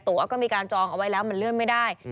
ก็มีการจองเอาไว้แล้วมันเลื่อนไม่ได้